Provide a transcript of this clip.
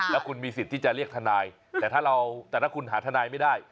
แล้วคุณมีสิทธิ์ที่จะเรียกทนายแต่ถ้าเราแต่ถ้าคุณหาทนายไม่ได้